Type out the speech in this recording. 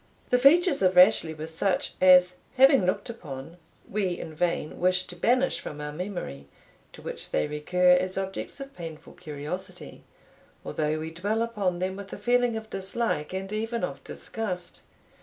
The features of Rashleigh were such, as, having looked upon, we in vain wish to banish from our memory, to which they recur as objects of painful curiosity, although we dwell upon them with a feeling of dislike, and even of disgust.